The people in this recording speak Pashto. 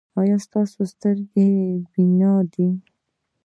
ایا ستاسو سترګې بینا دي؟